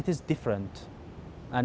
tapi kali ini perang ini berbeda